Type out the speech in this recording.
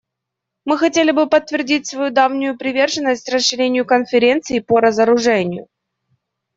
Мы хотели бы подтвердить свою давнюю приверженность расширению Конференции по разоружению.